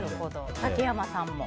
竹山さんも。